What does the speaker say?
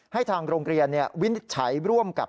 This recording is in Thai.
ให้ทางโรงเรียนวินิจฉัยร่วมกับ